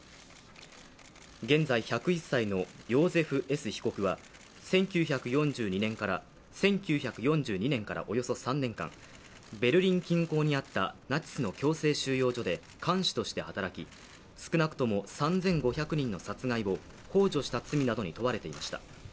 現在１０１歳のヨーゼフ・Ｓ被告は１９４２年からおよそ３年間ベルリン近郊にあったナチスの強制収容所で看守として働き、少なくとも３５００人の殺害をほう助した罪などに問われていました。